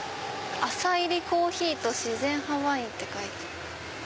「浅煎りコーヒーと自然派ワイン」って書いてる。